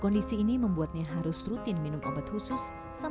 kondisi siti yang kini bisa makan dengan lahap baru terjadi dua tahun belakangan